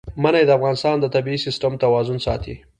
منی د افغانستان د طبعي سیسټم توازن ساتي.